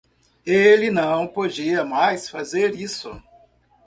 Ele não podia mais fazer isso.